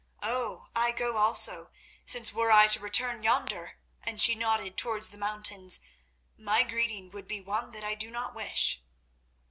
Oh, I go also, since were I to return yonder," and she nodded towards the mountains, "my greeting would be one that I do not wish."